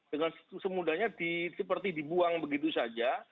dengan semudahnya seperti dibuang begitu saja